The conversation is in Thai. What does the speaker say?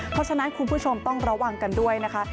เพราะฉะนั้นคุณผู้ชมต้องระวังกันด้วยนะคะ